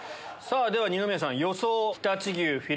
では二宮さん予想。